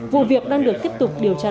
vụ việc đang được tiếp tục điều tra làm rõ